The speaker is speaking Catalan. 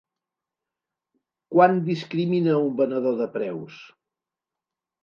Quan discrimina un venedor de preus?